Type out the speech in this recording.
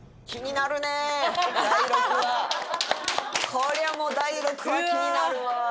これはもう第６話気になるわ。